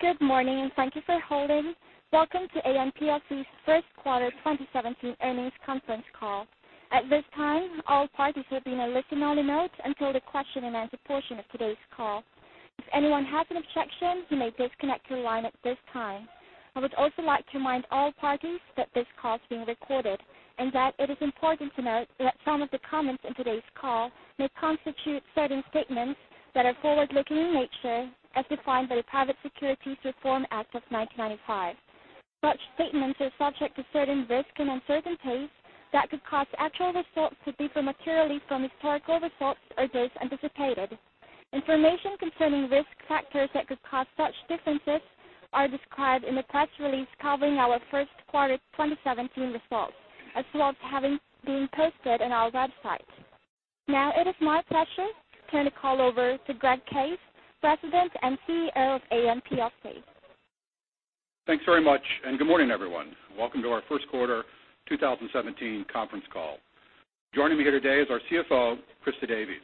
Good morning, and thank you for holding. Welcome to Aon plc's first quarter 2017 earnings conference call. At this time, all parties will be in a listen-only mode until the question and answer portion of today's call. If anyone has an objection, you may disconnect your line at this time. I would also like to remind all parties that this call is being recorded, and that it is important to note that some of the comments in today's call may constitute certain statements that are forward-looking in nature as defined by the Private Securities Litigation Reform Act of 1995. Such statements are subject to certain risks and uncertainties that could cause actual results to differ materially from historical results or those anticipated. Information concerning risk factors that could cause such differences are described in the press release covering our first quarter 2017 results, as well as having been posted on our website. It is my pleasure to turn the call over to Greg Case, President and Chief Executive Officer of Aon plc. Thanks very much. Good morning, everyone. Welcome to our first quarter 2017 conference call. Joining me here today is our CFO, Christa Davies.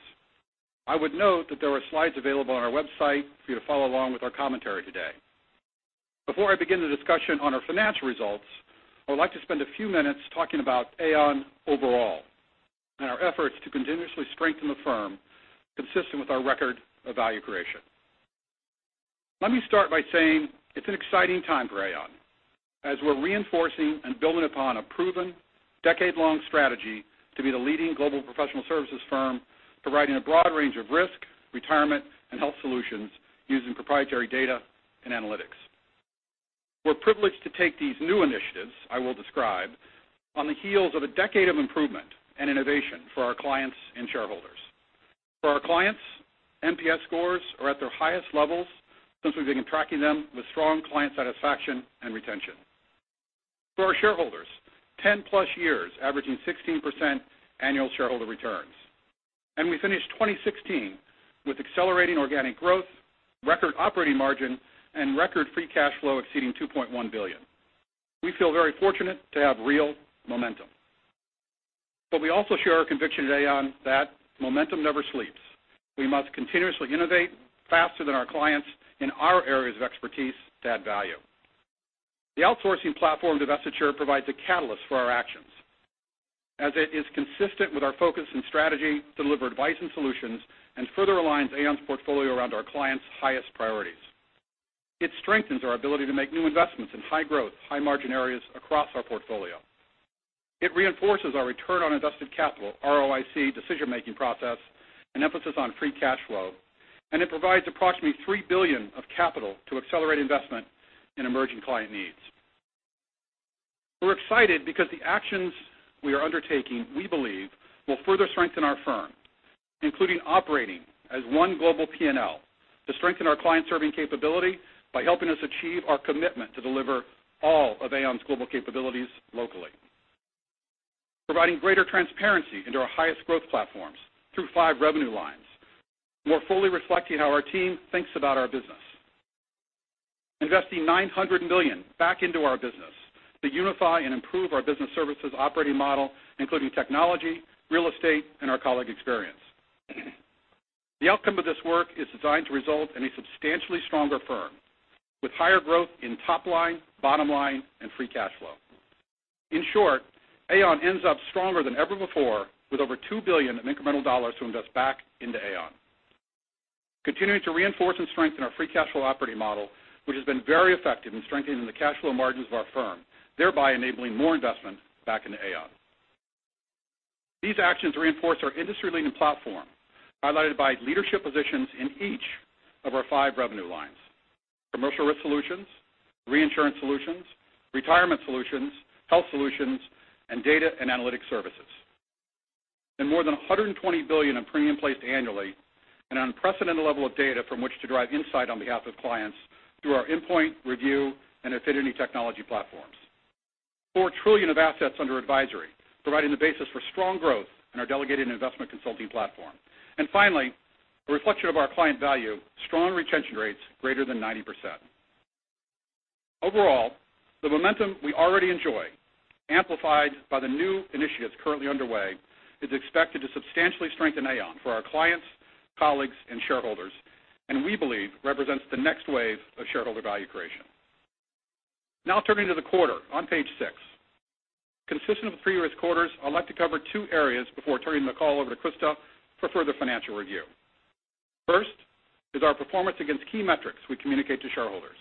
I would note that there are slides available on our website for you to follow along with our commentary today. Before I begin the discussion on our financial results, I would like to spend a few minutes talking about Aon overall and our efforts to continuously strengthen the firm consistent with our record of value creation. Let me start by saying it's an exciting time for Aon, as we're reinforcing and building upon a proven decade-long strategy to be the leading global professional services firm, providing a broad range of risk, Retirement Solutions, and Health Solutions using proprietary data and analytics. We're privileged to take these new initiatives I will describe on the heels of a decade of improvement and innovation for our clients and shareholders. For our clients, NPS scores are at their highest levels since we began tracking them, with strong client satisfaction and retention. For our shareholders, 10-plus years averaging 16% annual shareholder returns. We finished 2016 with accelerating organic growth, record operating margin, and record free cash flow exceeding $2.1 billion. We feel very fortunate to have real momentum. We also share a conviction at Aon that momentum never sleeps. We must continuously innovate faster than our clients in our areas of expertise to add value. The outsourcing platform divestiture provides a catalyst for our actions, as it is consistent with our focus and strategy to deliver advice and solutions and further aligns Aon's portfolio around our clients' highest priorities. It strengthens our ability to make new investments in high-growth, high-margin areas across our portfolio. It reinforces our return on invested capital, ROIC, decision-making process and emphasis on free cash flow, and it provides approximately $3 billion of capital to accelerate investment in emerging client needs. We're excited because the actions we are undertaking, we believe, will further strengthen our firm, including operating as one global P&L to strengthen our client-serving capability by helping us achieve our commitment to deliver all of Aon's global capabilities locally. Providing greater transparency into our highest growth platforms through five revenue lines, more fully reflecting how our team thinks about our business. Investing $900 million back into our business to unify and improve our business services operating model, including technology, real estate, and our colleague experience. The outcome of this work is designed to result in a substantially stronger firm with higher growth in top line, bottom line, and free cash flow. In short, Aon ends up stronger than ever before with over $2 billion of incremental dollars to invest back into Aon. Continuing to reinforce and strengthen our free cash flow operating model, which has been very effective in strengthening the cash flow margins of our firm, thereby enabling more investment back into Aon. These actions reinforce our industry-leading platform, highlighted by leadership positions in each of our five revenue lines, Commercial Risk Solutions, Reinsurance Solutions, Retirement Solutions, Health Solutions, and Data & Analytic Services. More than $120 billion in premium placed annually and an unprecedented level of data from which to derive insight on behalf of clients through our Inpoint and ReView and Aon Affinity technology platforms. $4 trillion of assets under advisory, providing the basis for strong growth in our delegated investment consulting platform. Finally, a reflection of our client value, strong retention rates greater than 90%. Overall, the momentum we already enjoy, amplified by the new initiatives currently underway, is expected to substantially strengthen Aon for our clients, colleagues, and shareholders, and we believe represents the next wave of shareholder value creation. Now turning to the quarter on page six. Consistent with the previous quarters, I'd like to cover two areas before turning the call over to Christa for further financial review. First is our performance against key metrics we communicate to shareholders.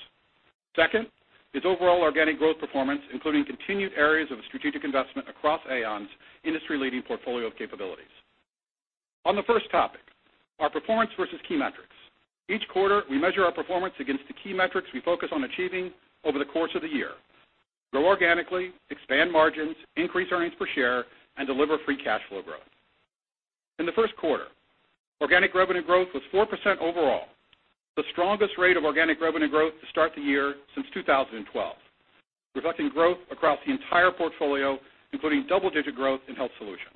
Second is overall organic growth performance, including continued areas of strategic investment across Aon's industry-leading portfolio of capabilities. On the first topic, our performance versus key metrics. Each quarter, we measure our performance against the key metrics we focus on achieving over the course of the year. Grow organically, expand margins, increase earnings per share, and deliver free cash flow growth. In the first quarter, organic revenue growth was 4% overall, the strongest rate of organic revenue growth to start the year since 2012, reflecting growth across the entire portfolio, including double-digit growth in Health Solutions.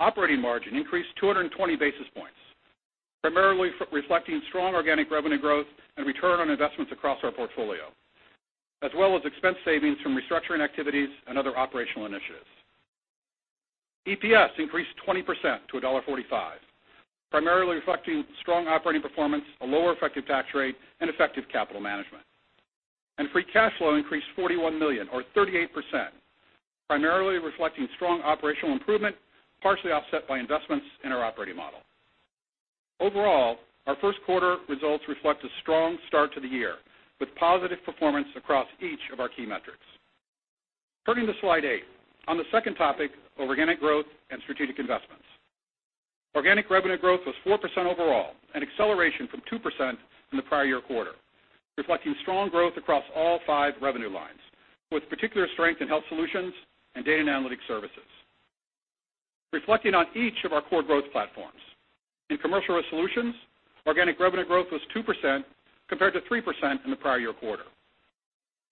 Operating margin increased 220 basis points, primarily reflecting strong organic revenue growth and return on investments across our portfolio, as well as expense savings from restructuring activities and other operational initiatives. EPS increased 20% to $1.45, primarily reflecting strong operating performance, a lower effective tax rate, and effective capital management. Free cash flow increased $41 million, or 38%, primarily reflecting strong operational improvement, partially offset by investments in our operating model. Overall, our first quarter results reflect a strong start to the year, with positive performance across each of our key metrics. Turning to Slide eight. On the second topic, organic growth and strategic investments. Organic revenue growth was 4% overall, an acceleration from 2% in the prior year quarter, reflecting strong growth across all five revenue lines, with particular strength in Health Solutions and Data & Analytic Services. Reflecting on each of our core growth platforms. In Commercial Risk Solutions, organic revenue growth was 2%, compared to 3% in the prior year quarter.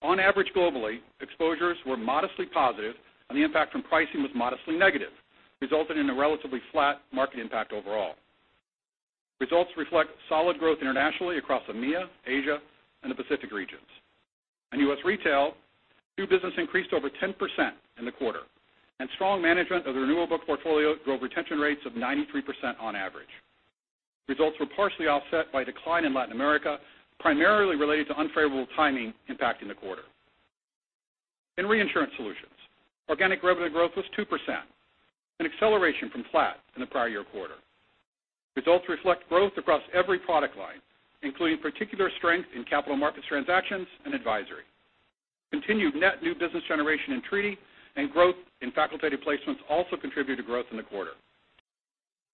On average, globally, exposures were modestly positive and the impact from pricing was modestly negative, resulting in a relatively flat market impact overall. Results reflect solid growth internationally across EMEA, Asia, and the Pacific regions. In U.S. retail, new business increased over 10% in the quarter, and strong management of the renewable portfolio drove retention rates of 93% on average. Results were partially offset by a decline in Latin America, primarily related to unfavorable timing impacting the quarter. In Reinsurance Solutions, organic revenue growth was 2%, an acceleration from flat in the prior year quarter. Results reflect growth across every product line, including particular strength in capital markets transactions and advisory. Continued net new business generation in treaty and growth in facultative placements also contributed to growth in the quarter.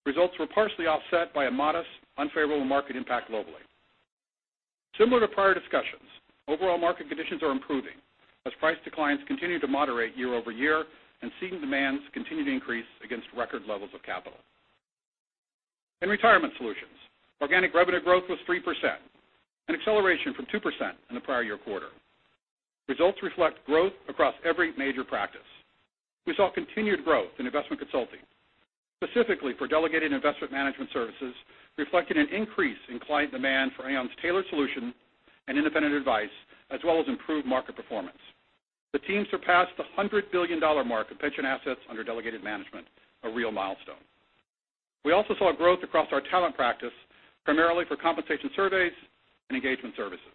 Results were partially offset by a modest unfavorable market impact globally. Similar to prior discussions, overall market conditions are improving as price declines continue to moderate year-over-year and ceding demands continue to increase against record levels of capital. In Retirement Solutions, organic revenue growth was 3%, an acceleration from 2% in the prior year quarter. Results reflect growth across every major practice. We saw continued growth in investment consulting, specifically for delegated investment management services, reflecting an increase in client demand for Aon's tailored solution and independent advice, as well as improved market performance. The team surpassed the $100 billion mark of pension assets under delegated management, a real milestone. We also saw growth across our talent practice, primarily for compensation surveys and engagement services.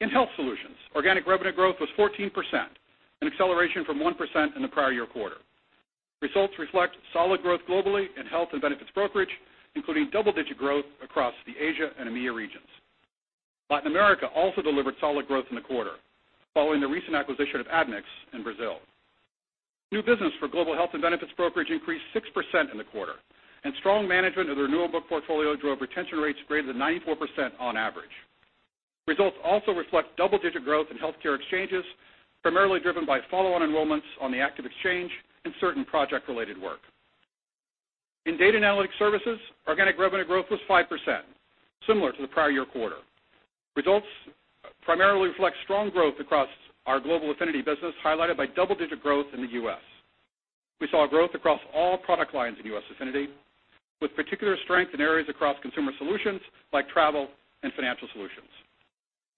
In Health Solutions, organic revenue growth was 14%, an acceleration from 1% in the prior year quarter. Results reflect solid growth globally in health and benefits brokerage, including double-digit growth across the Asia and EMEA regions. Latin America also delivered solid growth in the quarter, following the recent acquisition of Admix in Brazil. New business for Global Health and Benefits brokerage increased 6% in the quarter, and strong management of the renewable portfolio drove retention rates greater than 94% on average. Results also reflect double-digit growth in healthcare exchanges, primarily driven by follow-on enrollments on the active exchange and certain project-related work. In Data & Analytic Services, organic revenue growth was 5%, similar to the prior year quarter. Results primarily reflect strong growth across our global Affinity business, highlighted by double-digit growth in the U.S. We saw growth across all product lines in U.S. Affinity, with particular strength in areas across consumer solutions like travel and financial solutions.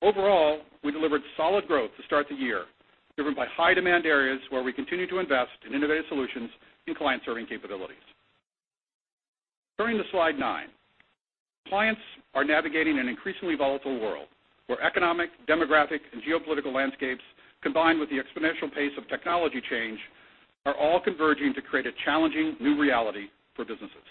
Overall, we delivered solid growth to start the year, driven by high demand areas where we continue to invest in innovative solutions and client-serving capabilities. Turning to Slide nine. Clients are navigating an increasingly volatile world where economic, demographic, and geopolitical landscapes, combined with the exponential pace of technology change, are all converging to create a challenging new reality for businesses.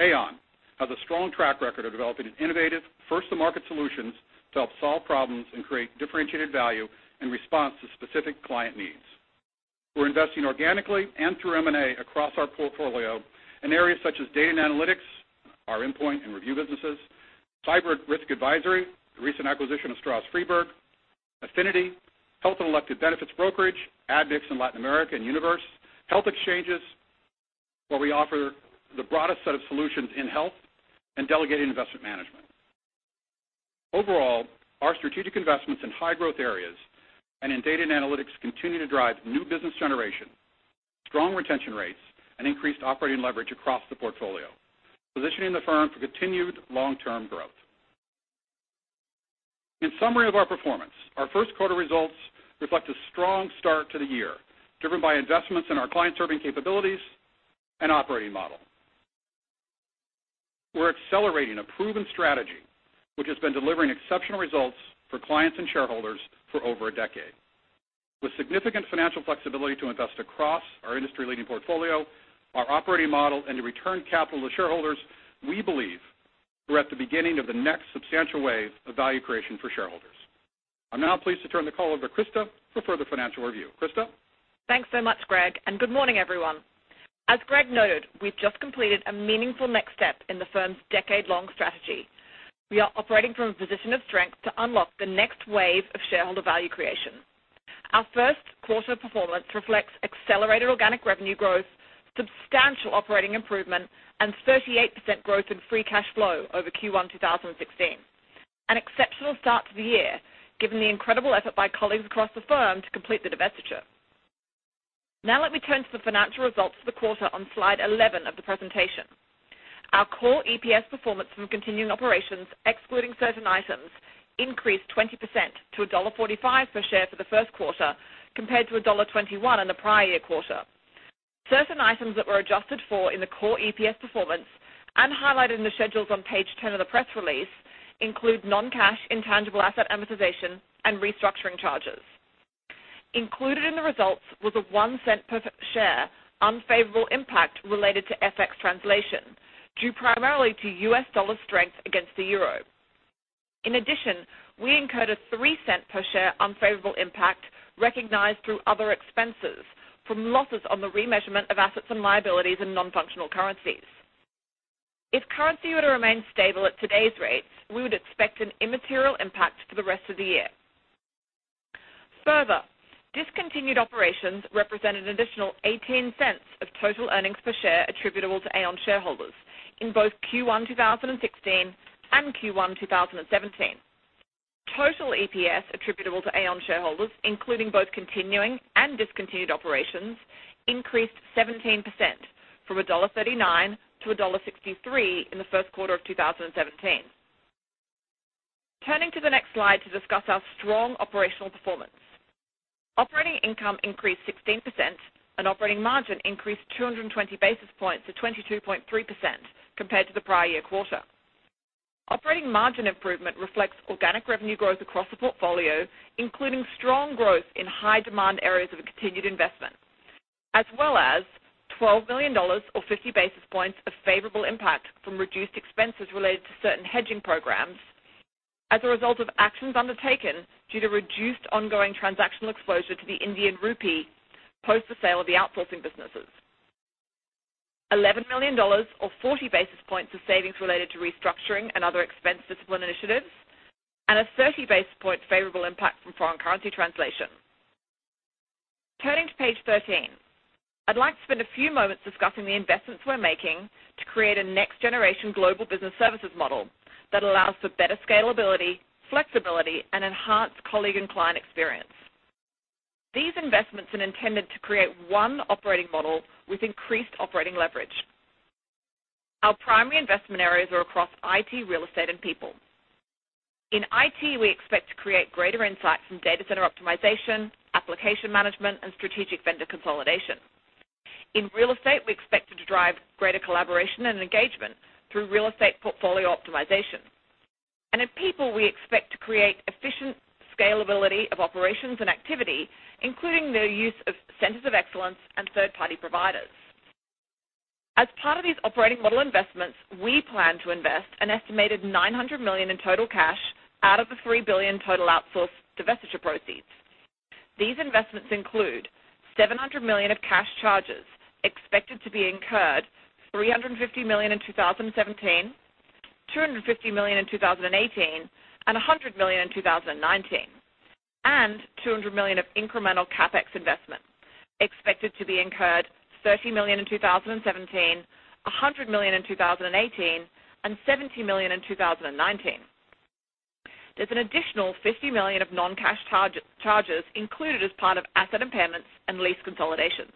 Aon has a strong track record of developing innovative, first-to-market solutions to help solve problems and create differentiated value in response to specific client needs. We're investing organically and through M&A across our portfolio in areas such as data and analytics, our Inpoint and ReView businesses, cyber risk advisory, the recent acquisition of Stroz Friedberg, affinity, health and elected benefits brokerage, Admix in Latin America and Univers, health exchanges, where we offer the broadest set of solutions in health and delegated investment management. Overall, our strategic investments in high growth areas and in data and analytics continue to drive new business generation, strong retention rates, and increased operating leverage across the portfolio, positioning the firm for continued long-term growth. In summary of our performance, our first quarter results reflect a strong start to the year, driven by investments in our client-serving capabilities and operating model. We're accelerating a proven strategy which has been delivering exceptional results for clients and shareholders for over a decade. With significant financial flexibility to invest across our industry-leading portfolio, our operating model, and to return capital to shareholders, we believe we're at the beginning of the next substantial wave of value creation for shareholders. I'm now pleased to turn the call over to Christa for further financial review. Christa? Thanks so much, Greg, and good morning, everyone. As Greg noted, we've just completed a meaningful next step in the firm's decade-long strategy. We are operating from a position of strength to unlock the next wave of shareholder value creation. Our first quarter performance reflects accelerated organic revenue growth, substantial operating improvement, and 38% growth in free cash flow over Q1 2016. An exceptional start to the year, given the incredible effort by colleagues across the firm to complete the divestiture. Now let me turn to the financial results for the quarter on Slide 11 of the presentation. Our core EPS performance from continuing operations, excluding certain items, increased 20% to $1.45 per share for the first quarter, compared to $1.21 in the prior year quarter. Certain items that were adjusted for in the core EPS performance and highlighted in the schedules on page 10 of the press release include non-cash intangible asset amortization and restructuring charges. Included in the results was a $0.01 per share unfavorable impact related to FX translation, due primarily to US dollar strength against the euro. In addition, we incurred a $0.03 per share unfavorable impact recognized through other expenses from losses on the remeasurement of assets and liabilities in non-functional currencies. If currency were to remain stable at today's rates, we would expect an immaterial impact for the rest of the year. Further, discontinued operations represent an additional $0.18 of total earnings per share attributable to Aon shareholders in both Q1 2016 and Q1 2017. Total EPS attributable to Aon shareholders, including both continuing and discontinued operations, increased 17%, from $1.39 to $1.63 in the first quarter of 2017. Turning to the next slide to discuss our strong operational performance. Operating income increased 16%, and operating margin increased 220 basis points to 22.3% compared to the prior year quarter. Operating margin improvement reflects organic revenue growth across the portfolio, including strong growth in high-demand areas of continued investment. $12 million or 50 basis points of favorable impact from reduced expenses related to certain hedging programs as a result of actions undertaken due to reduced ongoing transactional exposure to the Indian rupee post the sale of the outsourcing businesses. $11 million or 40 basis points of savings related to restructuring and other expense discipline initiatives, and a 30 basis point favorable impact from foreign currency translation. Turning to page 13. I'd like to spend a few moments discussing the investments we're making to create a next-generation global business services model that allows for better scalability, flexibility, and enhanced colleague and client experience. These investments are intended to create one operating model with increased operating leverage. Our primary investment areas are across IT, real estate, and people. In IT, we expect to create greater insight from data center optimization, application management, and strategic vendor consolidation. In real estate, we expect to drive greater collaboration and engagement through real estate portfolio optimization. In people, we expect to create efficient scalability of operations and activity, including the use of centers of excellence and third-party providers. As part of these operating model investments, we plan to invest an estimated $900 million in total cash out of the $3 billion total outsource divestiture proceeds. These investments include $700 million of cash charges expected to be incurred $350 million in 2017, $250 million in 2018, and $100 million in 2019. $200 million of incremental CapEx investment expected to be incurred $30 million in 2017, $100 million in 2018, and $70 million in 2019. There's an additional $50 million of non-cash charges included as part of asset impairments and lease consolidations.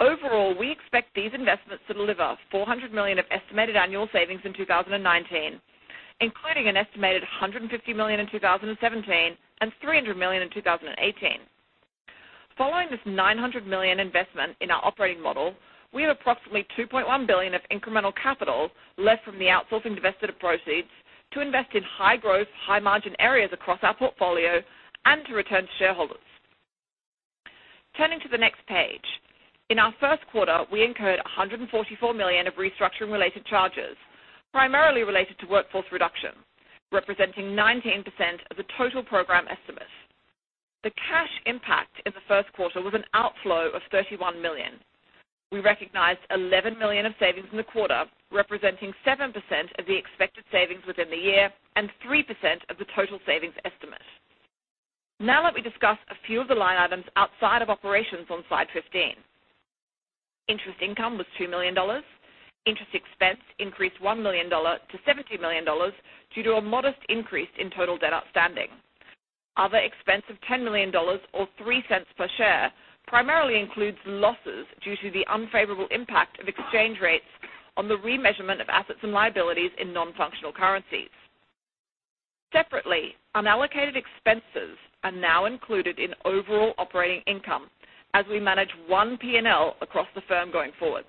Overall, we expect these investments to deliver $400 million of estimated annual savings in 2019, including an estimated $150 million in 2017 and $300 million in 2018. Following this $900 million investment in our operating model, we have approximately $2.1 billion of incremental capital left from the outsourcing divestiture proceeds to invest in high-growth, high-margin areas across our portfolio and to return to shareholders. Turning to the next page. In our first quarter, we incurred $144 million of restructuring-related charges, primarily related to workforce reduction, representing 19% of the total program estimate. The cash impact in the first quarter was an outflow of $31 million. We recognized $11 million of savings in the quarter, representing 7% of the expected savings within the year and 3% of the total savings estimate. Let me discuss a few of the line items outside of operations on slide 15. Interest income was $2 million. Interest expense increased $1 million to $17 million due to a modest increase in total debt outstanding. Other expense of $10 million or $0.03 per share primarily includes losses due to the unfavorable impact of exchange rates on the remeasurement of assets and liabilities in non-functional currencies. Separately, unallocated expenses are now included in overall operating income as we manage one P&L across the firm going forward.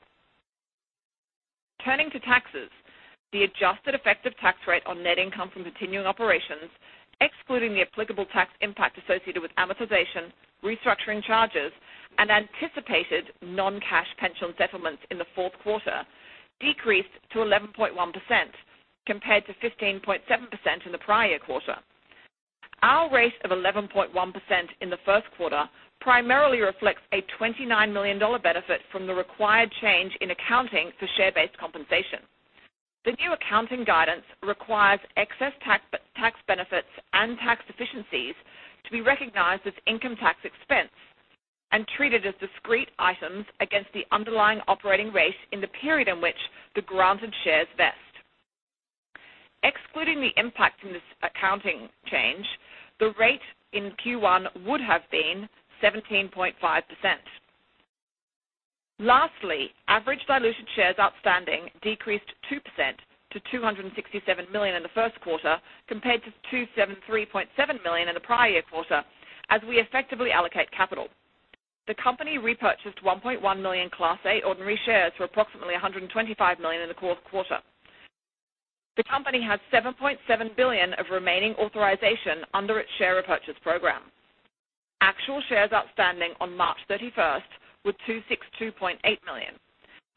Turning to taxes, the adjusted effective tax rate on net income from continuing operations, excluding the applicable tax impact associated with amortization, restructuring charges, and anticipated non-cash pension settlements in the fourth quarter, decreased to 11.1% compared to 15.7% in the prior quarter. Our rate of 11.1% in the first quarter primarily reflects a $29 million benefit from the required change in accounting for share-based compensation. The new accounting guidance requires excess tax benefits and tax deficiencies to be recognized as income tax expense and treated as discrete items against the underlying operating rate in the period in which the granted shares vest. Excluding the impact from this accounting change, the rate in Q1 would have been 17.5%. Lastly, average diluted shares outstanding decreased 2% to 267 million in the first quarter, compared to 273.7 million in the prior year quarter, as we effectively allocate capital. The company repurchased 1.1 million Class A ordinary shares for approximately $125 million in the fourth quarter. The company has $7.7 billion of remaining authorization under its share repurchase program. Actual shares outstanding on March 31st were 262.8 million,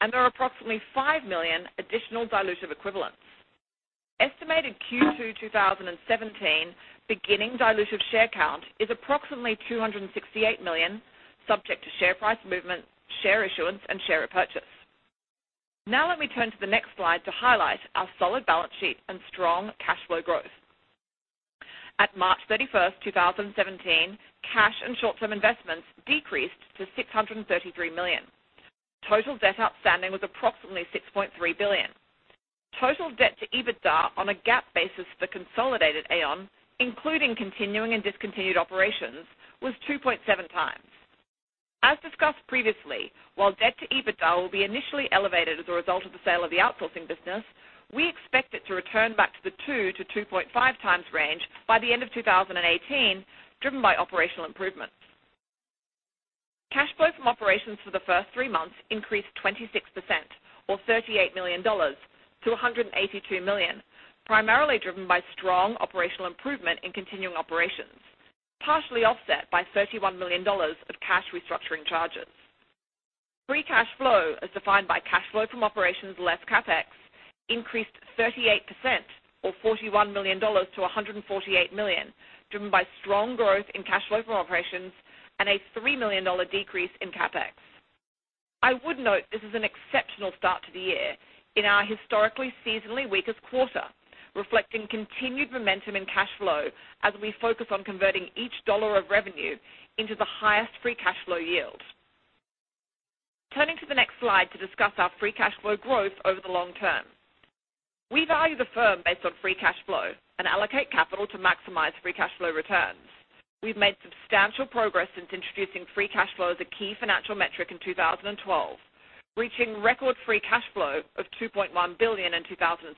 and there are approximately 5 million additional dilutive equivalents. Estimated Q2 2017 beginning dilutive share count is approximately 268 million, subject to share price movement, share issuance, and share repurchase. Let me turn to the next slide to highlight our solid balance sheet and strong cash flow growth. At March 31st, 2017, cash and short-term investments decreased to $633 million. Total debt outstanding was approximately $6.3 billion. Total debt to EBITDA on a GAAP basis for consolidated Aon, including continuing and discontinued operations, was 2.7 times. As discussed previously, while debt to EBITDA will be initially elevated as a result of the sale of the outsourcing business, we expect it to return back to the 2 to 2.5 times range by the end of 2018, driven by operational improvements. Cash flow from operations for the first three months increased 26%, or $38 million, to $182 million, primarily driven by strong operational improvement in continuing operations, partially offset by $31 million of cash restructuring charges. Free cash flow, as defined by cash flow from operations less CapEx, increased 38%, or $41 million, to $148 million, driven by strong growth in cash flow from operations and a $3 million decrease in CapEx. I would note this is an exceptional start to the year in our historically seasonally weakest quarter, reflecting continued momentum in cash flow as we focus on converting each dollar of revenue into the highest free cash flow yield. Turning to the next slide to discuss our free cash flow growth over the long term. We value the firm based on free cash flow and allocate capital to maximize free cash flow returns. We've made substantial progress since introducing free cash flow as a key financial metric in 2012, reaching record free cash flow of $2.1 billion in 2016.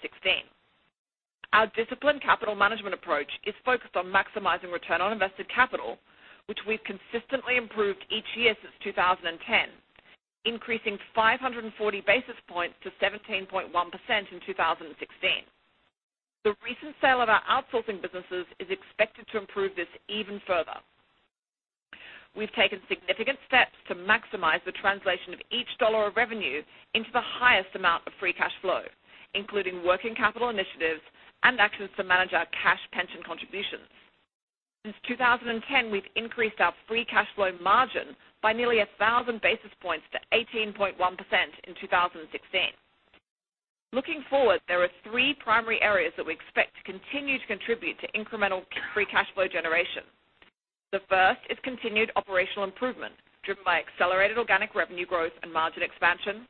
Our disciplined capital management approach is focused on maximizing return on invested capital, which we've consistently improved each year since 2010, increasing 540 basis points to 17.1% in 2016. The recent sale of our outsourcing businesses is expected to improve this even further. We've taken significant steps to maximize the translation of each dollar of revenue into the highest amount of free cash flow, including working capital initiatives and actions to manage our cash pension contributions. Since 2010, we've increased our free cash flow margin by nearly 1,000 basis points to 18.1% in 2016. Looking forward, there are three primary areas that we expect to continue to contribute to incremental free cash flow generation. The first is continued operational improvement, driven by accelerated organic revenue growth and margin expansion.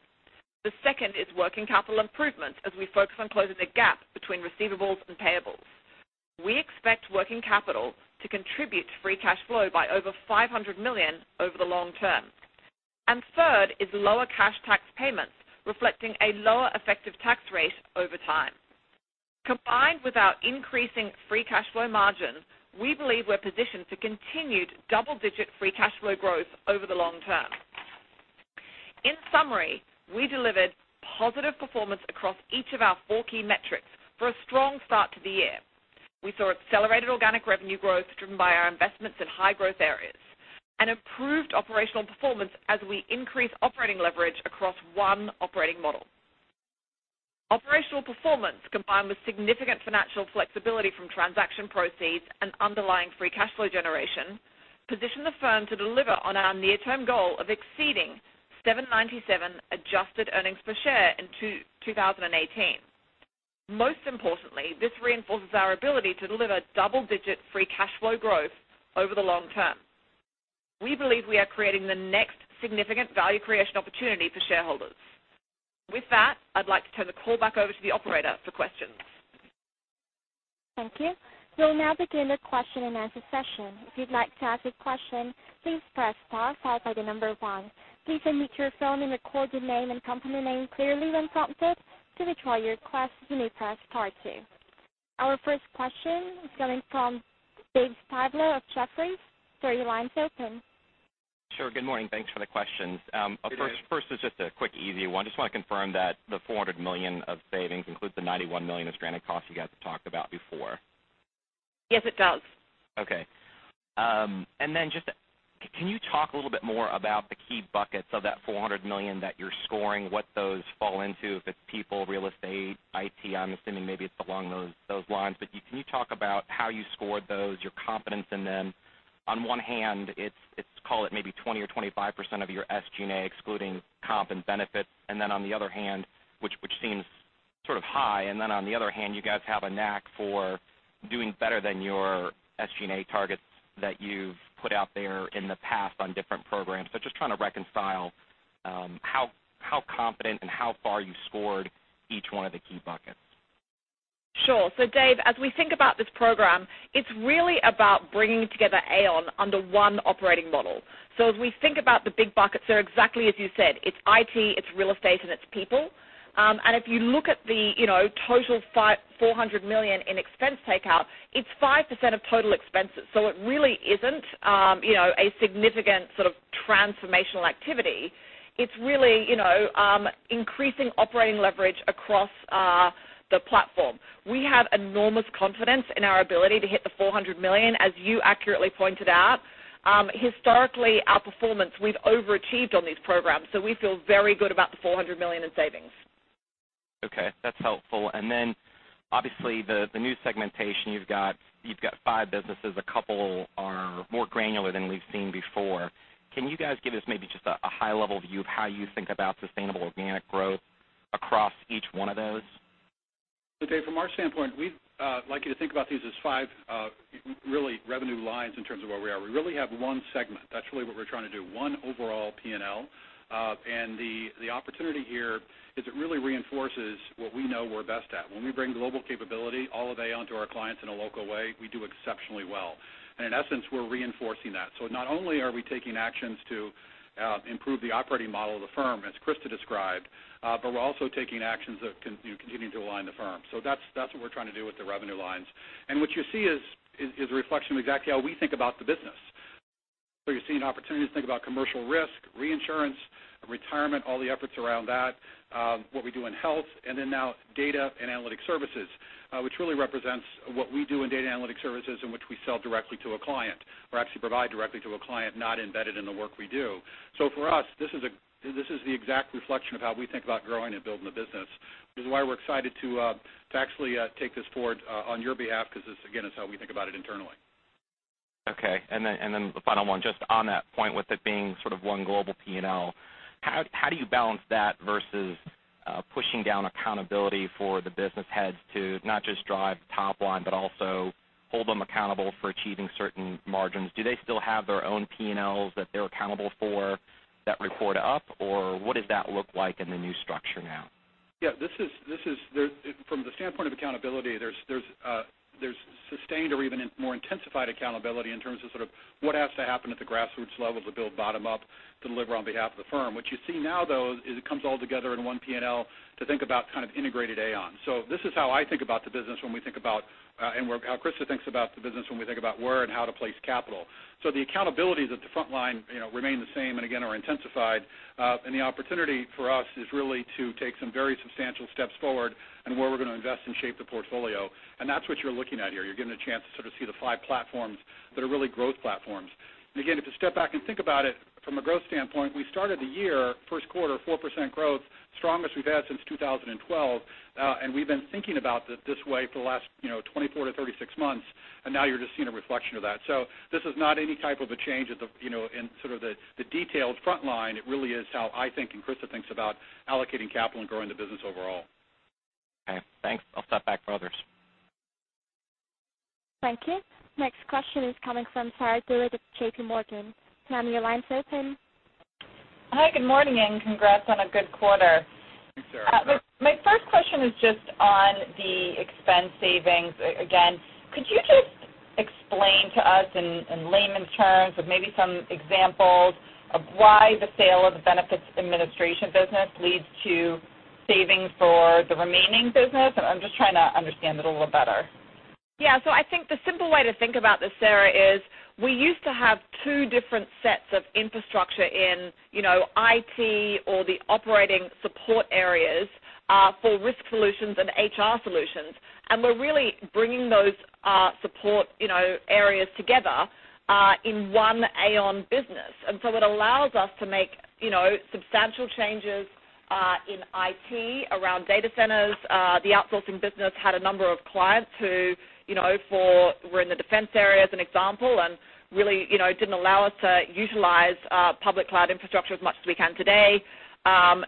The second is working capital improvement as we focus on closing the gap between receivables and payables. We expect working capital to contribute to free cash flow by over $500 million over the long term. Third is lower cash tax payments, reflecting a lower effective tax rate over time. Combined with our increasing free cash flow margins, we believe we're positioned for continued double-digit free cash flow growth over the long term. In summary, we delivered positive performance across each of our four key metrics for a strong start to the year. We saw accelerated organic revenue growth driven by our investments in high growth areas and improved operational performance as we increase operating leverage across one operating model. Operational performance, combined with significant financial flexibility from transaction proceeds and underlying free cash flow generation, position the firm to deliver on our near-term goal of exceeding $7.97 adjusted earnings per share in 2018. Most importantly, this reinforces our ability to deliver double-digit free cash flow growth over the long term. We believe we are creating the next significant value creation opportunity for shareholders. With that, I'd like to turn the call back over to the operator for questions. Thank you. We'll now begin the question-and-answer session. If you'd like to ask a question, please press star followed by the number one. Please unmute your phone and record your name and company name clearly when prompted. To withdraw your request, you may press star two. Our first question is coming from David Styblo of Jefferies. Sir, your line is open. Sure. Good morning. Thanks for the questions. Good day. First is just a quick, easy one. Just want to confirm that the $400 million of savings includes the $91 million of stranded costs you guys have talked about before. Yes, it does. Okay. Can you talk a little bit more about the key buckets of that $400 million that you're scoring, what those fall into, if it's people, real estate, IT? I'm assuming maybe it's along those lines. Can you talk about how you scored those, your confidence in them? On one hand, it's, call it maybe 20% or 25% of your SG&A excluding comp and benefits. On the other hand, which seems sort of high, on the other hand, you guys have a knack for doing better than your SG&A targets that you've put out there in the past on different programs. Just trying to reconcile how confident and how far you scored each one of the key buckets. Sure. Dave, as we think about this program, it's really about bringing together Aon under one operating model. As we think about the big buckets, they're exactly as you said, it's IT, it's real estate, and it's people. If you look at the total $400 million in expense takeout, it's 5% of total expenses. It really isn't a significant sort of transformational activity. It's really increasing operating leverage across the platform. We have enormous confidence in our ability to hit the $400 million, as you accurately pointed out. Historically, our performance, we've overachieved on these programs, so we feel very good about the $400 million in savings. Okay, that's helpful. Then obviously the new segmentation, you've got five businesses. A couple are more granular than we've seen before. Can you guys give us maybe just a high-level view of how you think about sustainable organic growth across each one of those? Dave, from our standpoint, we'd like you to think about these as five really revenue lines in terms of where we are. We really have one segment. That's really what we're trying to do, one overall P&L. The opportunity here is it really reinforces what we know we're best at. When we bring global capability, all of Aon to our clients in a local way, we do exceptionally well. In essence, we're reinforcing that. Not only are we taking actions to improve the operating model of the firm, as Christa described, but we're also taking actions of continuing to align the firm. That's what we're trying to do with the revenue lines. What you see is a reflection of exactly how we think about the business. You're seeing opportunities to think about Commercial Risk, Reinsurance, Retirement, all the efforts around that, what we do in Health, then now Data & Analytic Services, which really represents what we do in Data & Analytic Services in which we sell directly to a client or actually provide directly to a client not embedded in the work we do. For us, this is the exact reflection of how we think about growing and building the business. This is why we're excited to actually take this forward on your behalf because this, again, is how we think about it internally. Okay. Then the final one, just on that point with it being sort of one global P&L, how do you balance that versus pushing down accountability for the business heads to not just drive top line, but also hold them accountable for achieving certain margins? Do they still have their own P&Ls that they're accountable for that report up? Or what does that look like in the new structure now? Yeah. From the standpoint of accountability, there's sustained or even more intensified accountability in terms of sort of what has to happen at the grassroots level to build bottom up to deliver on behalf of the firm. What you see now though, it comes all together in one P&L to think about kind of integrated Aon. This is how I think about the business when we think about, and how Christa thinks about the business when we think about where and how to place capital. The accountabilities at the front line remain the same and again are intensified. The opportunity for us is really to take some very substantial steps forward in where we're going to invest and shape the portfolio. That's what you're looking at here. You're getting a chance to sort of see the five platforms that are really growth platforms. Again, if you step back and think about it from a growth standpoint, we started the year, first quarter, 4% growth, strongest we've had since 2012. We've been thinking about it this way for the last 24 to 36 months, and now you're just seeing a reflection of that. This is not any type of a change in sort of the detailed front line. It really is how I think and Christa thinks about allocating capital and growing the business overall. Okay, thanks. I'll step back for others. Thank you. Next question is coming from Sarah DeWitt with JPMorgan. Ma'am, your line's open. Hi, good morning, congrats on a good quarter. Thanks, Sarah. My first question is just on the expense savings. Again, could you just explain to us in layman's terms, with maybe some examples of why the sale of the benefits administration business leads to savings for the remaining business? I'm just trying to understand it a little better. I think the simple way to think about this, Sarah, is we used to have two different sets of infrastructure in IT or the operating support areas for risk solutions and HR solutions. We're really bringing those support areas together in one Aon business. It allows us to make substantial changes in IT around data centers. The outsourcing business had a number of clients who were in the defense area, as an example, really didn't allow us to utilize public cloud infrastructure as much as we can today.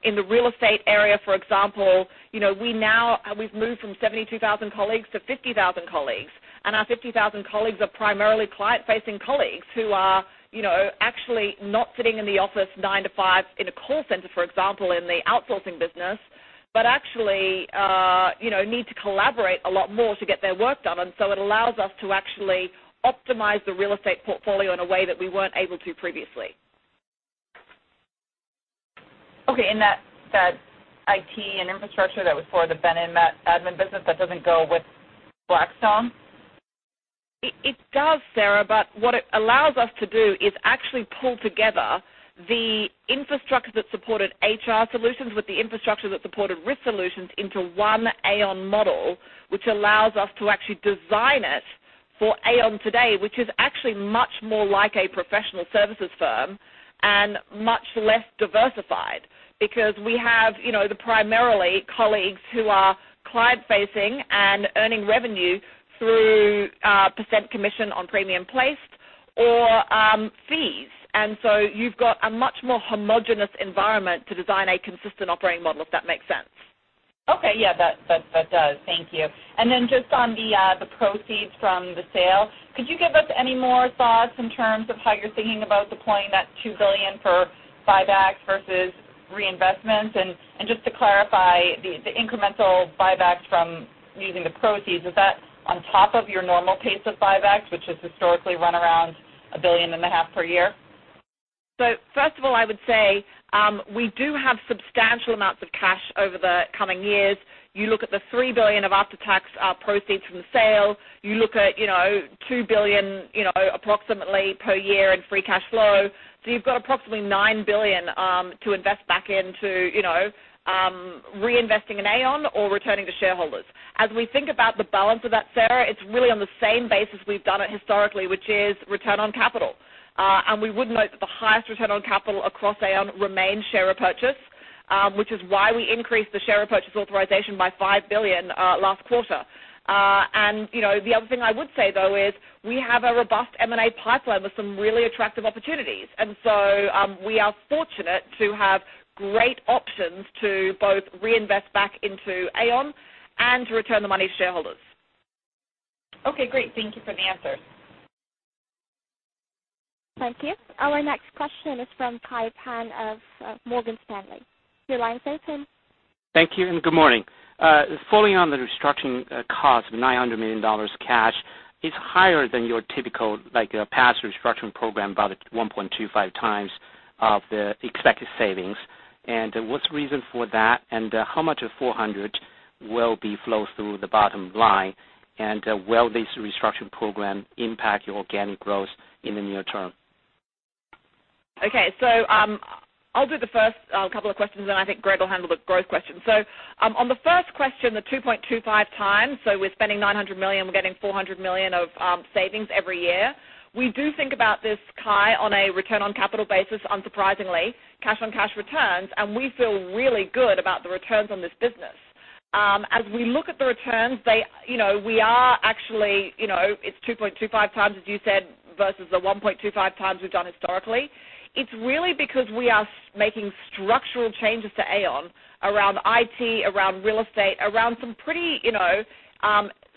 In the real estate area, for example, we've moved from 72,000 colleagues to 50,000 colleagues, and our 50,000 colleagues are primarily client-facing colleagues who are actually not sitting in the office nine to five in a call center, for example, in the outsourcing business. actually need to collaborate a lot more to get their work done. It allows us to actually optimize the real estate portfolio in a way that we weren't able to previously. Okay. That IT and infrastructure that was for the Admix business, that doesn't go with Blackstone? It does, Sarah, what it allows us to do is actually pull together the infrastructure that supported HR solutions with the infrastructure that supported risk solutions into one Aon model, which allows us to actually design it for Aon today, which is actually much more like a professional services firm and much less diversified because we have the primarily colleagues who are client facing and earning revenue through percent commission on premium placed Or fees. You've got a much more homogenous environment to design a consistent operating model, if that makes sense. Okay, yeah, that does. Thank you. Then just on the proceeds from the sale, could you give us any more thoughts in terms of how you're thinking about deploying that $2 billion for buybacks versus reinvestments? Just to clarify, the incremental buybacks from using the proceeds, is that on top of your normal pace of buybacks, which has historically run around a billion and a half per year? First of all, I would say, we do have substantial amounts of cash over the coming years. You look at the $3 billion of after-tax proceeds from the sale, you look at $2 billion approximately per year in free cash flow. You've got approximately $9 billion to invest back into reinvesting in Aon or returning to shareholders. As we think about the balance of that, Sarah, it's really on the same basis we've done it historically, which is return on capital. We would note that the highest return on capital across Aon remains share repurchase, which is why we increased the share repurchase authorization by $5 billion last quarter. The other thing I would say, though, is we have a robust M&A pipeline with some really attractive opportunities, we are fortunate to have great options to both reinvest back into Aon and to return the money to shareholders. Great. Thank you for the answer. Thank you. Our next question is from Kai Pan of Morgan Stanley. Your line is open. Thank you and good morning. Following on the restructuring cost of $900 million cash is higher than your typical past restructuring program by the 1.25 times of the expected savings. What's the reason for that? How much of 400 will be flow through the bottom line? Will this restructuring program impact your organic growth in the near term? Okay. I'll do the first couple of questions, then I think Greg will handle the growth question. On the first question, the 2.25 times, we're spending $900 million, we're getting $400 million of savings every year. We do think about this, Kai, on a return on capital basis, unsurprisingly, cash on cash returns, and we feel really good about the returns on this business. As we look at the returns, it's 2.25 times, as you said, versus the 1.25 times we've done historically. It's really because we are making structural changes to Aon around IT, around real estate, around some pretty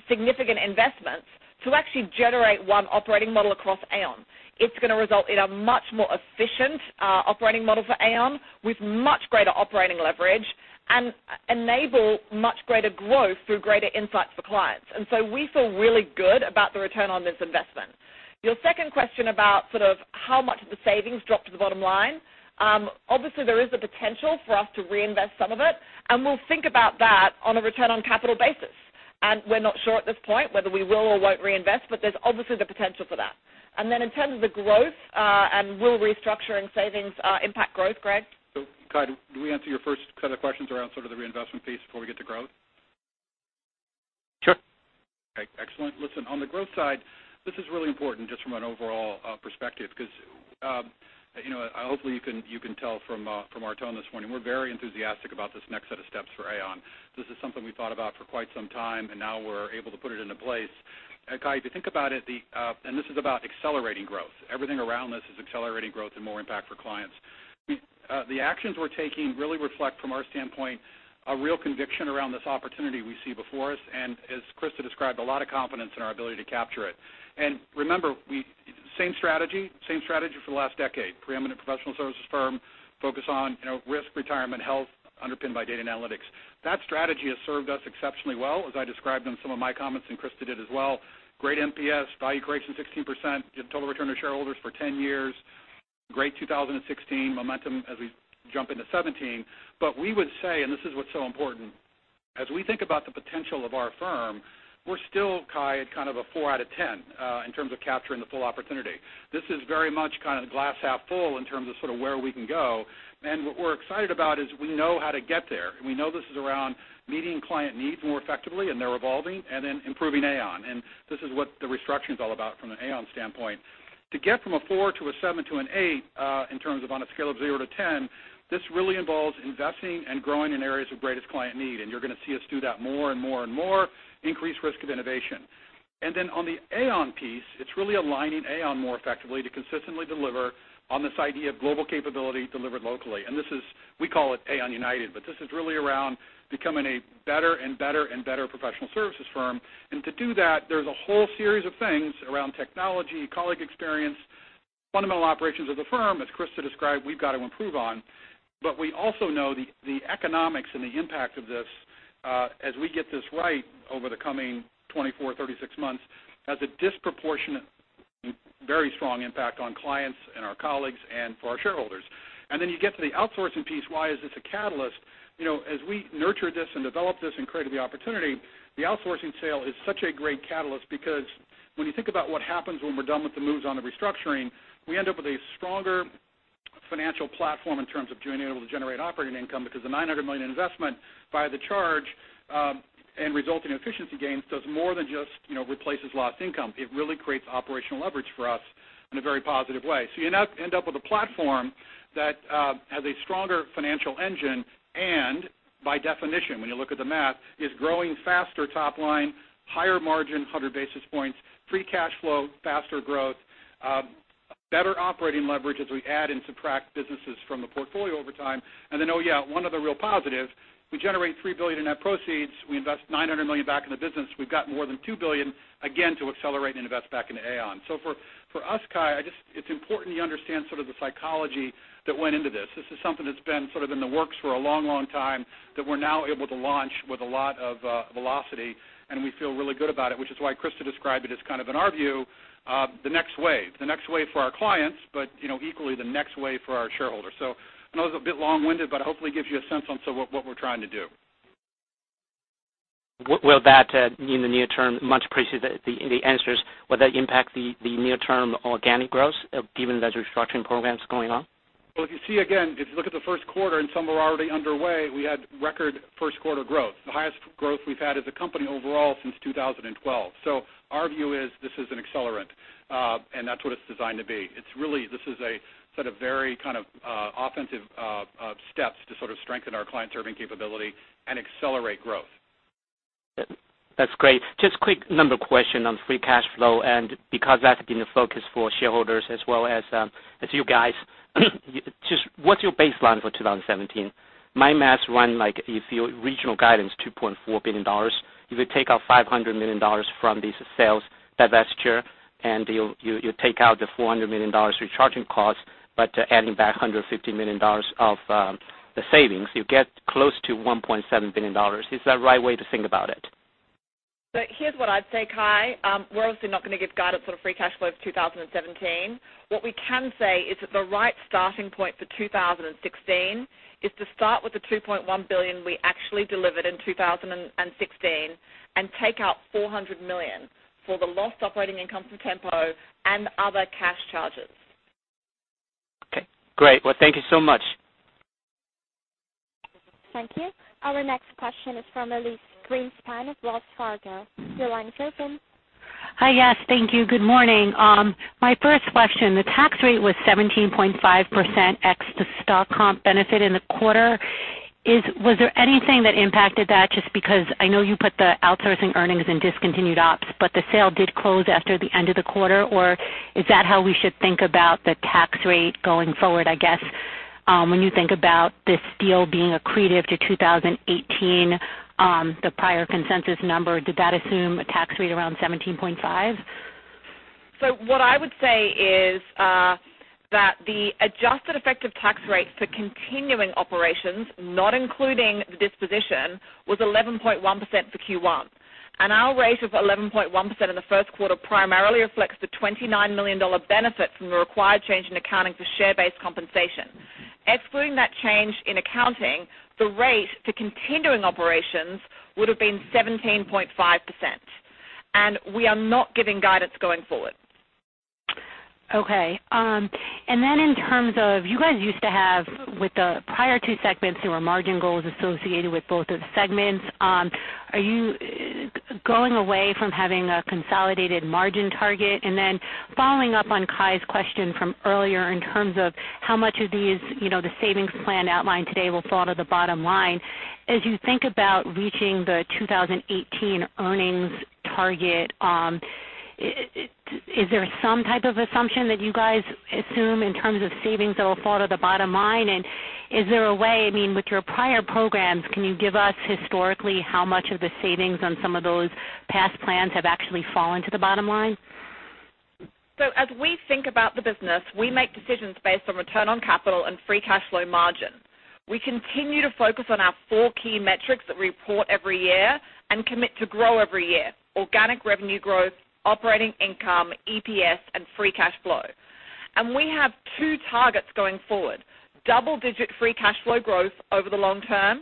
significant investments to actually generate one operating model across Aon. It's going to result in a much more efficient operating model for Aon with much greater operating leverage and enable much greater growth through greater insights for clients. We feel really good about the return on this investment. Your second question about sort of how much of the savings drop to the bottom line. Obviously, there is the potential for us to reinvest some of it, and we'll think about that on a return on capital basis. We're not sure at this point whether we will or won't reinvest, but there's obviously the potential for that. In terms of the growth, will restructuring savings impact growth, Greg? Kai, did we answer your first set of questions around sort of the reinvestment piece before we get to growth? Sure. Okay, excellent. Listen, on the growth side, this is really important just from an overall perspective because hopefully you can tell from our tone this morning, we're very enthusiastic about this next set of steps for Aon. This is something we thought about for quite some time, now we're able to put it into place. Kai, if you think about it, this is about accelerating growth. Everything around this is accelerating growth and more impact for clients. The actions we're taking really reflect, from our standpoint, a real conviction around this opportunity we see before us, as Christa described, a lot of confidence in our ability to capture it. Remember, same strategy for the last decade. Preeminent professional services firm, focus on risk, retirement, health, underpinned by data and analytics. That strategy has served us exceptionally well, as I described in some of my comments, Christa did as well. Great NPS, value creation, 16% total return to shareholders for 10 years. Great 2016 momentum as we jump into 2017. We would say, this is what's so important, as we think about the potential of our firm, we're still, Kai, at kind of a four out of 10 in terms of capturing the full opportunity. This is very much kind of glass half full in terms of sort of where we can go. What we're excited about is we know how to get there. We know this is around meeting client needs more effectively, they're evolving, then improving Aon. This is what the restructuring is all about from an Aon standpoint. To get from a four to a seven to an eight, in terms of on a scale of zero to 10, this really involves investing and growing in areas of greatest client need, you're going to see us do that more and more and more, increase risk of innovation. Then on the Aon piece, it's really aligning Aon more effectively to consistently deliver on this idea of global capability delivered locally. We call it Aon United, this is really around becoming a better and better and better professional services firm. To do that, there's a whole series of things around technology, colleague experience, fundamental operations of the firm, as Christa described, we've got to improve on. We also know the economics and the impact of this, as we get this right over the coming 24, 36 months, has a disproportionate, very strong impact on clients and our colleagues and for our shareholders. Then you get to the outsourcing piece, why is this a catalyst? As we nurtured this and developed this and created the opportunity, the outsourcing sale is such a great catalyst because when you think about what happens when we're done with the moves on the restructuring, we end up with a stronger financial platform in terms of being able to generate operating income because the $900 million investment via the charge and resulting efficiency gains does more than just replaces lost income. It really creates operational leverage for us in a very positive way. You end up with a platform that has a stronger financial engine. By definition, when you look at the math, is growing faster top-line, higher margin, 100 basis points, free cash flow, faster growth, better operating leverage as we add and subtract businesses from the portfolio over time. Oh yeah, one other real positive, we generate $3 billion in net proceeds. We invest $900 million back in the business. We've got more than $2 billion, again, to accelerate and invest back into Aon. For us, Kai, it's important you understand the psychology that went into this. This is something that's been in the works for a long time, that we're now able to launch with a lot of velocity, and we feel really good about it, which is why Christa described it as, in our view, the next wave. The next wave for our clients, equally the next wave for our shareholders. I know that was a bit long-winded, hopefully gives you a sense on what we're trying to do. Will that in the near term, much appreciate the answers, will that impact the near-term organic growth given those restructuring programs going on? If you see again, if you look at the first quarter, and some were already underway, we had record first quarter growth. The highest growth we've had as a company overall since 2012. Our view is this is an accelerant, and that's what it's designed to be. This is a very kind of offensive steps to strengthen our client-serving capability and accelerate growth. That's great. Just quick number question on free cash flow, because that's been a focus for shareholders as well as you guys. Just what's your baseline for 2017? My math runs like if your regional guidance, $2.4 billion, if you take out $500 million from this sales divestiture, and you take out the $400 million recharging costs, but adding back $150 million of the savings, you get close to $1.7 billion. Is that the right way to think about it? Here's what I'd say, Kai. We're obviously not going to give guidance on free cash flow for 2017. What we can say is that the right starting point for 2016 is to start with the $2.1 billion we actually delivered in 2016 and take out $400 million for the lost operating income from Tempo and other cash charges. Okay, great. Thank you so much. Thank you. Our next question is from Elyse Greenspan of Wells Fargo. Your line is open. Hi. Yes. Thank you. Good morning. My first question, the tax rate was 17.5% ex the stock comp benefit in the quarter. Was there anything that impacted that? Just because I know you put the outsourcing earnings in discontinued ops, but the sale did close after the end of the quarter. Or is that how we should think about the tax rate going forward, I guess, when you think about this deal being accretive to 2018, the prior consensus number, did that assume a tax rate around 17.5%? What I would say is, that the adjusted effective tax rate for continuing operations, not including the disposition, was 11.1% for Q1. Our rate of 11.1% in the first quarter primarily reflects the $29 million benefit from the required change in accounting for share-based compensation. Excluding that change in accounting, the rate for continuing operations would've been 17.5%. We are not giving guidance going forward. Okay. In terms of, you guys used to have with the prior two segments, there were margin goals associated with both of the segments. Are you going away from having a consolidated margin target? Following up on Kai's question from earlier in terms of how much of these, the savings plan outlined today will fall to the bottom line. As you think about reaching the 2018 earnings target, is there some type of assumption that you guys assume in terms of savings that will fall to the bottom line? Is there a way, I mean, with your prior programs, can you give us historically how much of the savings on some of those past plans have actually fallen to the bottom line? As we think about the business, we make decisions based on return on capital and free cash flow margin. We continue to focus on our four key metrics that we report every year and commit to grow every year: organic revenue growth, operating income, EPS, and free cash flow. We have two targets going forward. Double-digit free cash flow growth over the long term,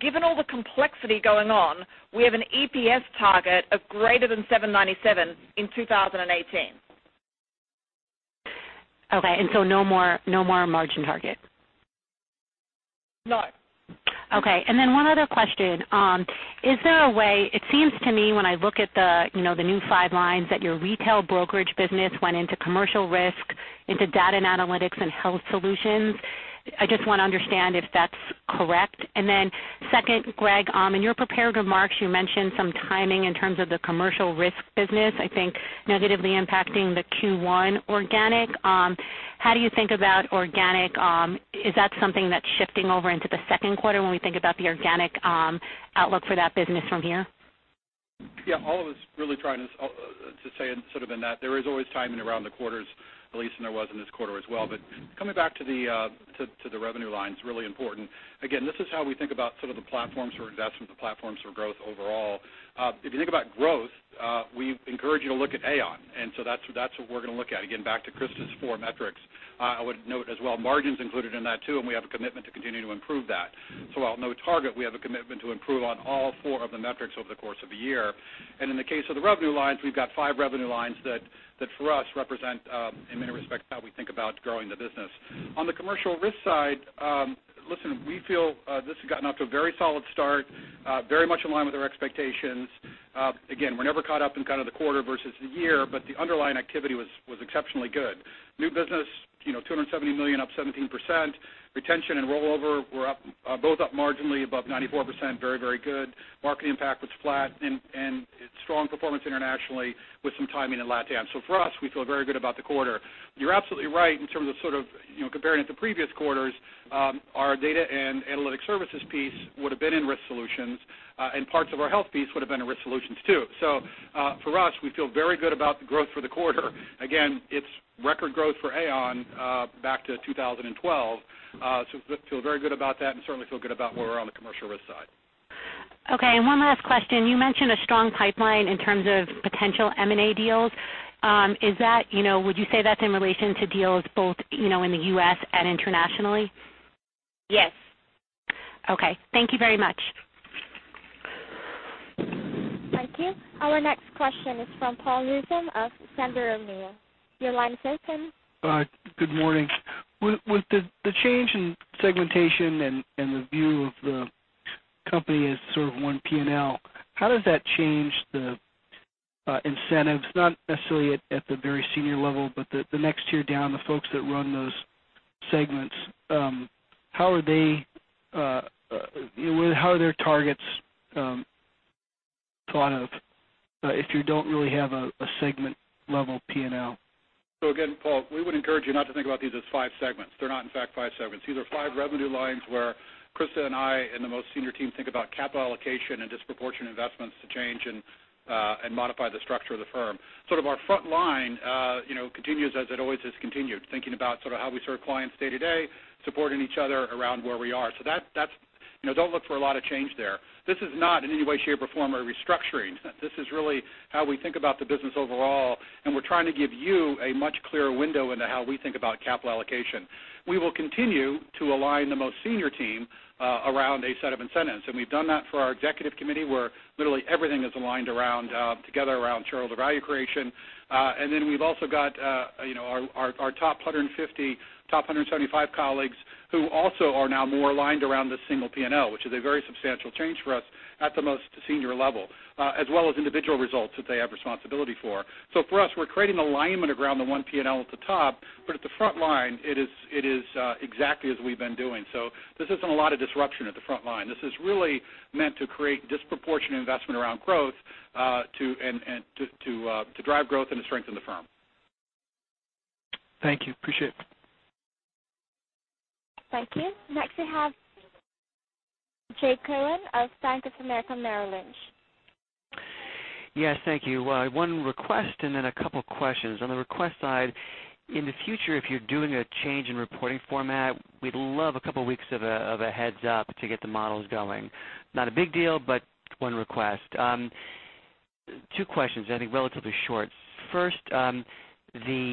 given all the complexity going on, we have an EPS target of greater than $7.97 in 2018. Okay, no more margin target? No. One other question. Is there a way, it seems to me when I look at the new five lines that your retail brokerage business went into Commercial Risk, into Data and Analytics, and Health Solutions. I just want to understand if that's correct. Second, Greg, in your prepared remarks, you mentioned some timing in terms of the Commercial Risk business, I think negatively impacting the Q1 organic. How do you think about organic? Is that something that's shifting over into the second quarter when we think about the organic outlook for that business from here? Yeah, all I was really trying to say in sort of in that there is always timing around the quarters, at least than there was in this quarter as well. Coming back to the revenue line is really important. Again, this is how we think about sort of the platforms for investment, the platforms for growth overall. If you think about growth, we encourage you to look at Aon, that's what we're going to look at. Again, back to Christa's four metrics. I would note as well, margin's included in that too, we have a commitment to continue to improve that. While no target, we have a commitment to improve on all four of the metrics over the course of the year. In the case of the revenue lines, we've got five revenue lines that for us represent, in many respects, how we think about growing the business. On the Commercial Risk side, listen, we feel this has gotten off to a very solid start, very much in line with our expectations. Again, we're never caught up in kind of the quarter versus the year, but the underlying activity was exceptionally good. New business, $270 million up 17%, retention and rollover were up Both up marginally above 94%, very good. Market impact was flat and strong performance internationally with some timing in LatAm. For us, we feel very good about the quarter. You're absolutely right in terms of comparing it to previous quarters. Our Data & Analytic Services piece would have been in Risk Solutions, and parts of our Health piece would have been in Risk Solutions, too. For us, we feel very good about the growth for the quarter. Again, it's record growth for Aon back to 2012. We feel very good about that and certainly feel good about where we're on the commercial risk side. Okay. One last question. You mentioned a strong pipeline in terms of potential M&A deals. Would you say that's in relation to deals both in the U.S. and internationally? Yes. Okay. Thank you very much. Thank you. Our next question is from Paul Newsome of Sandler O'Neill. Your line is open. Good morning. With the change in segmentation and the view of the company as sort of one P&L, how does that change the incentives, not necessarily at the very senior level, but the next tier down, the folks that run those segments. How are their targets thought of if you don't really have a segment-level P&L? Again, Paul, we would encourage you not to think about these as five segments. They're not, in fact, five segments. These are five revenue lines where Christa and I and the most senior team think about capital allocation and disproportionate investments to change and modify the structure of the firm. Our front line continues as it always has continued, thinking about how we serve clients day to day, supporting each other around where we are. Don't look for a lot of change there. This is not in any way, shape, or form a restructuring. This is really how we think about the business overall, and we're trying to give you a much clearer window into how we think about capital allocation. We will continue to align the most senior team around a set of incentives. We've done that for our executive committee, where literally everything is aligned together around shareholder value creation. We've also got our top 150, top 175 colleagues who also are now more aligned around this single P&L, which is a very substantial change for us at the most senior level as well as individual results that they have responsibility for. For us, we're creating alignment around the one P&L at the top, but at the front line, it is exactly as we've been doing. This isn't a lot of disruption at the front line. This is really meant to create disproportionate investment around growth to drive growth and to strengthen the firm. Thank you. Appreciate it. Thank you. Next, we have Jay Cohen of Bank of America Merrill Lynch. Yes, thank you. One request and then a couple questions. On the request side, in the future, if you're doing a change in reporting format, we'd love a couple weeks of a heads up to get the models going. Not a big deal, but one request. Two questions, I think relatively short. First, the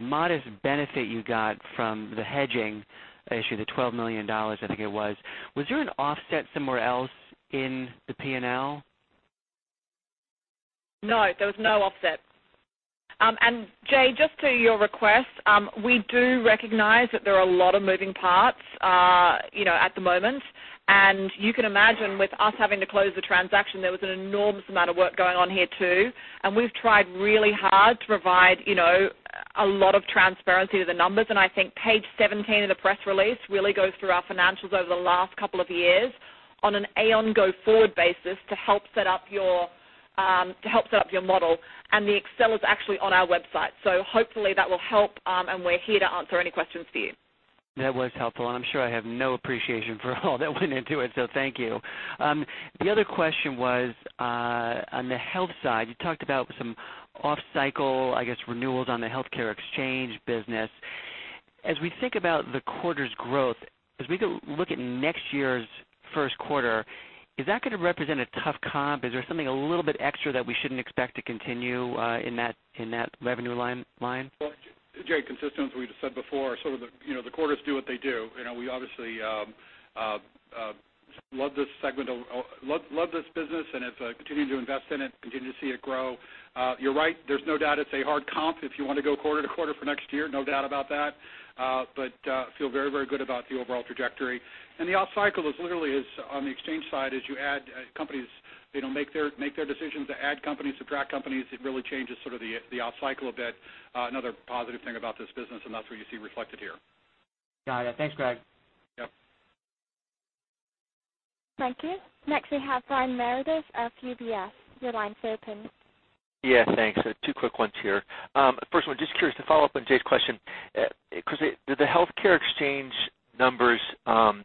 modest benefit you got from the hedging issue, the $12 million, I think it was. Was there an offset somewhere else in the P&L? No, there was no offset. Jay, just to your request, we do recognize that there are a lot of moving parts at the moment. You can imagine with us having to close the transaction, there was an enormous amount of work going on here, too. We've tried really hard to provide a lot of transparency to the numbers. I think page 17 of the press release really goes through our financials over the last couple of years on an Aon go-forward basis to help set up your model. The Excel is actually on our website. Hopefully that will help, and we're here to answer any questions for you. That was helpful. I'm sure I have no appreciation for all that went into it, thank you. The other question was on the health side. You talked about some off-cycle, I guess, renewals on the healthcare exchange business. As we think about the quarter's growth, as we go look at next year's first quarter, is that going to represent a tough comp? Is there something a little bit extra that we shouldn't expect to continue in that revenue line? Jay, consistent with what we just said before, the quarters do what they do. We obviously love this segment, love this business, and continue to invest in it, continue to see it grow. You're right. There's no doubt it's a hard comp if you want to go quarter-to-quarter for next year. No doubt about that. Feel very good about the overall trajectory. The off-cycle is literally on the exchange side as you add companies, make their decisions to add companies, subtract companies. It really changes the off-cycle a bit. Another positive thing about this business, and that's what you see reflected here. Got it. Thanks, Greg. Yep. Thank you. Next, we have Brian Meredith of UBS. Your line is open. Thanks. Two quick ones here. First one, just curious to follow up on Jay's question. The healthcare exchange numbers,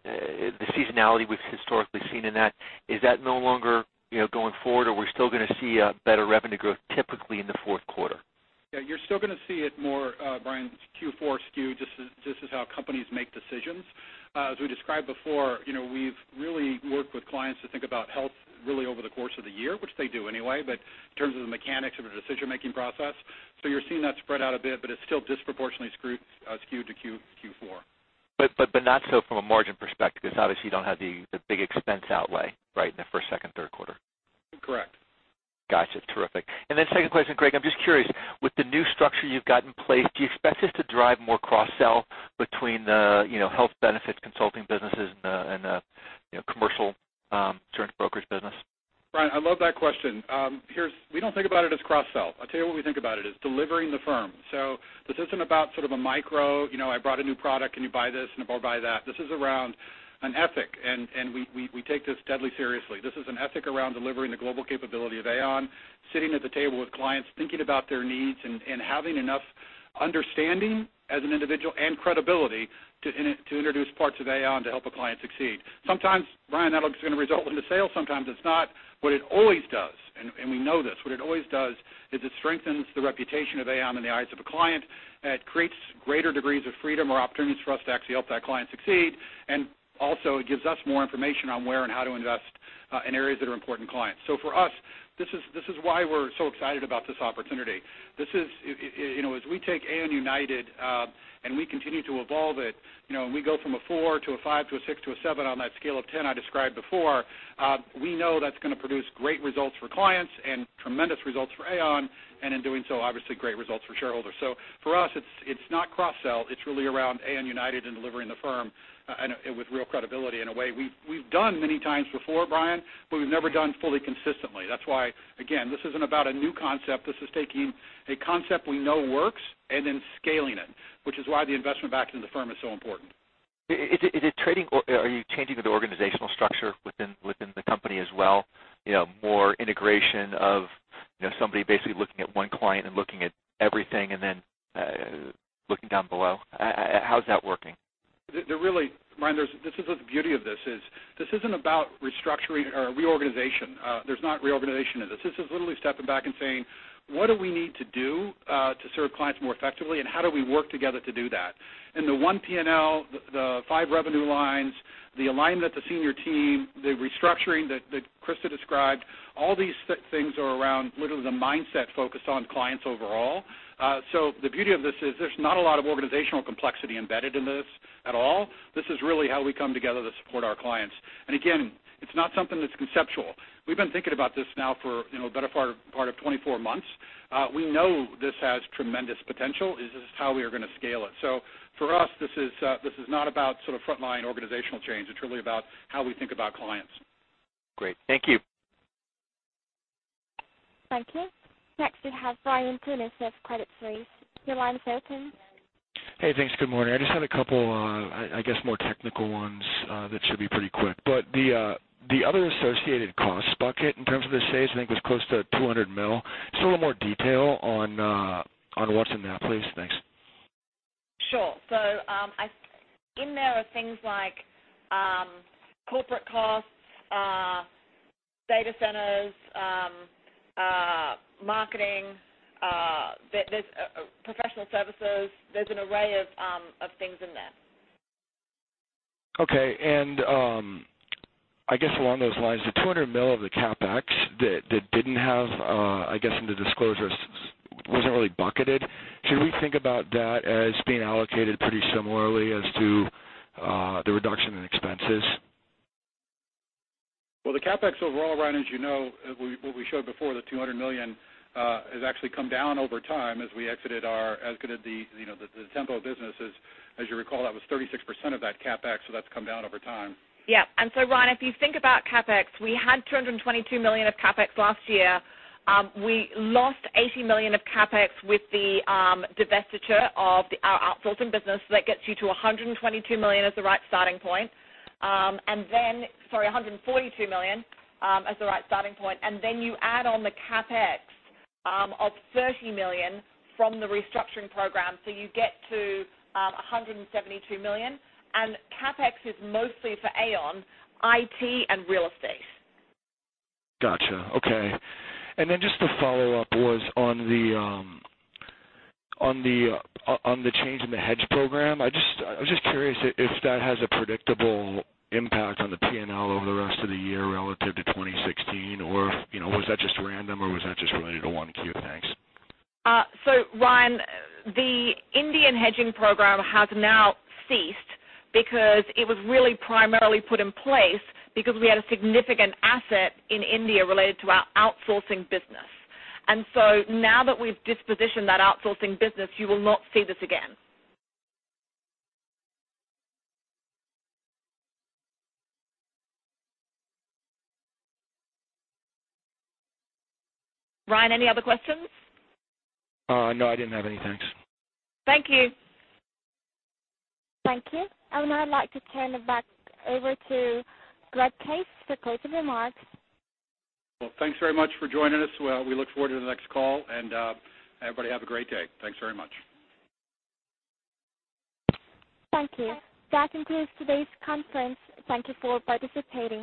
the seasonality we've historically seen in that, is that no longer going forward, or we're still going to see a better revenue growth typically in the fourth quarter? You're still going to see it more, Brian. It's Q4 skewed. This is how companies make decisions. As we described before, we've really worked with clients to think about health really over the course of the year, which they do anyway, but in terms of the mechanics of the decision-making process. You're seeing that spread out a bit, but it's still disproportionately skewed to Q4. Not so from a margin perspective because obviously you don't have the big expense outlay right in the first, second, third quarter. Correct. Got you. Terrific. Then second question, Greg, I'm just curious, with the new structure you've got in place, do you expect this to drive more cross-sell between the health benefits consulting businesses and the commercial Brian, I love that question. We don't think about it as cross-sell. I'll tell you what we think about it, is delivering the firm. This isn't about sort of a micro, I brought a new product, can you buy this? This is around an ethic, and we take this deadly seriously. This is an ethic around delivering the global capability of Aon, sitting at the table with clients, thinking about their needs, and having enough understanding as an individual and credibility to introduce parts of Aon to help a client succeed. Sometimes, Brian, that's going to result in a sale, sometimes it's not. What it always does, and we know this, is it strengthens the reputation of Aon in the eyes of a client. It creates greater degrees of freedom or opportunities for us to actually help that client succeed. It gives us more information on where and how to invest, in areas that are important to clients. For us, this is why we're so excited about this opportunity. As we take Aon United, and we continue to evolve it, and we go from a four to a five to a six to a seven on that scale of 10 I described before, we know that's going to produce great results for clients and tremendous results for Aon, and in doing so, obviously great results for shareholders. For us, it's not cross-sell, it's really around Aon United and delivering the firm with real credibility in a way we've done many times before, Brian, but we've never done fully consistently. That's why, again, this isn't about a new concept. This is taking a concept we know works and then scaling it, which is why the investment back into the firm is so important. Are you changing the organizational structure within the company as well? More integration of somebody basically looking at one client and looking at everything and then looking down below. How's that working? Brian, the beauty of this is this isn't about reorganization. There's not reorganization in this. This is literally stepping back and saying, what do we need to do to serve clients more effectively, and how do we work together to do that? The one P&L, the five revenue lines, the alignment of the senior team, the restructuring that Christa described, all these things are around literally the mindset focused on clients overall. The beauty of this is there's not a lot of organizational complexity embedded in this at all. This is really how we come together to support our clients. Again, it's not something that's conceptual. We've been thinking about this now for the better part of 24 months. We know this has tremendous potential. This is how we are going to scale it. For us, this is not about frontline organizational change. It's really about how we think about clients. Great. Thank you. Thank you. Next, we have Ryan Tunis with Credit Suisse. Your line is open. Hey, thanks. Good morning. I just had a couple, I guess more technical ones that should be pretty quick. The other associated cost bucket in terms of the saves, I think was close to $200 million. Just a little more detail on what's in that, please. Thanks. Sure. There are things like corporate costs, data centers, marketing. There's professional services. There's an array of things in there. Okay. I guess along those lines, the $200 million of the CapEx that didn't have, I guess in the disclosures, wasn't really bucketed. Should we think about that as being allocated pretty similarly as to the reduction in expenses? The CapEx overall, Ryan, as you know, what we showed before, the $200 million, has actually come down over time as we exited the Tempo businesses. As you recall, that was 36% of that CapEx, that's come down over time. Ryan, if you think about CapEx, we had $222 million of CapEx last year. We lost $80 million of CapEx with the divestiture of our outsourcing business, that gets you to $122 million as the right starting point. Sorry, $142 million as the right starting point. You add on the CapEx of $30 million from the restructuring program, you get to $172 million. CapEx is mostly for Aon, IT, and real estate. Got you. Okay. Just a follow-up was on the change in the hedge program. I was just curious if that has a predictable impact on the P&L over the rest of the year relative to 2016, or was that just random, or was that just related to one Q? Thanks. Ryan, the Indian hedging program has now ceased because it was really primarily put in place because we had a significant asset in India related to our outsourcing business. Now that we've dispositioned that outsourcing business, you will not see this again. Ryan, any other questions? No, I didn't have any. Thanks. Thank you. Thank you. I would now like to turn it back over to Greg Case for closing remarks. Well, thanks very much for joining us. We look forward to the next call, and everybody have a great day. Thanks very much. Thank you. That concludes today's conference. Thank you for participating.